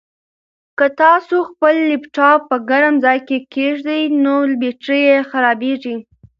که تاسو خپل لپټاپ په ګرم ځای کې کېږدئ نو بېټرۍ یې خرابیږي.